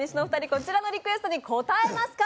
こちらのリクエストに応えますか？